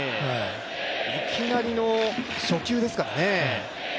いきなりの初球ですからね。